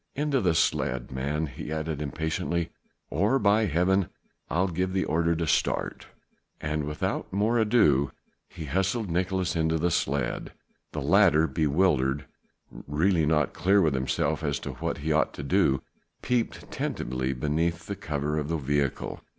Into the sledge, man," he added impatiently, "or by Heaven I'll give the order to start." And without more ado, he hustled Nicolaes into the sledge. The latter bewildered, really not clear with himself as to what he ought to do, peeped tentatively beneath the cover of the vehicle.